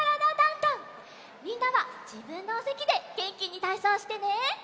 みんなはじぶんのおせきでげんきにたいそうしてね。